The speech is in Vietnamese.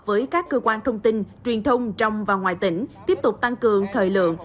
với các cơ quan thông tin truyền thông trong và ngoài tỉnh tiếp tục tăng cường thời lượng